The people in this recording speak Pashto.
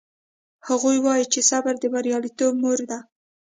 هغوی وایي چې صبر د بریالیتوب مور ده